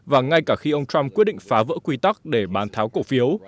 và ngay cả khi ông trump quyết định phá vỡ quy tắc để bán tháo cổ phiếu